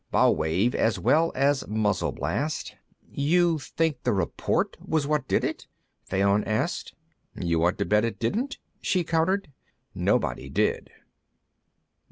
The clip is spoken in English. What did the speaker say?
"Bow wave as well as muzzle blast." "You think the report was what did it?" Fayon asked. "You want to bet it didn't?" she countered. Nobody did.